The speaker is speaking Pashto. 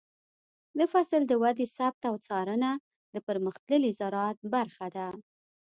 د فصل د ودې ثبت او څارنه د پرمختللي زراعت برخه ده.